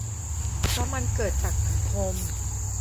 เพราะมันเกิดจากสังคม